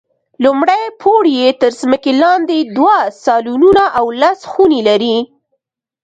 لومړی پوړ یې تر ځمکې لاندې دوه سالونونه او لس خونې لري.